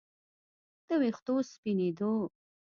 د ویښتو سپینېدو